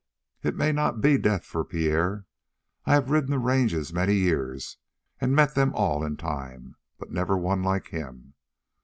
"It may not be death for Pierre. I have ridden the ranges many years and met them all in time, but never one like him.